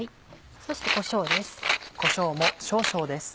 そしてこしょうです。